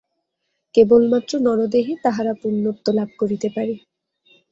কেবলমাত্র নরদেহে তাহারা পূর্ণত্ব লাভ করিতে পারে।